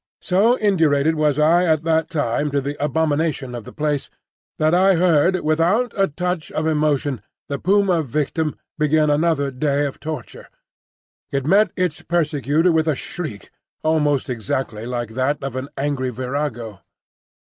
So indurated was I at that time to the abomination of the place, that I heard without a touch of emotion the puma victim begin another day of torture. It met its persecutor with a shriek, almost exactly like that of an angry virago.